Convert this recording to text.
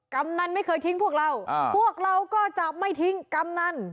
กำนันไม่เคยทิ้งพวกเราพวกเราก็จะไม่ทิ้งกำนัน